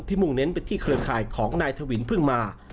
มุ่งเน้นไปที่เครือข่ายของนายทวินเพิ่งมา